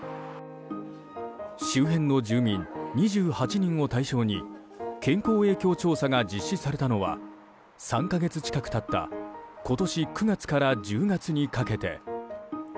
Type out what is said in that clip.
周辺の住民２８人を対象に健康影響調査が実施されたのは３か月近く経った今年９月から１０月にかけて。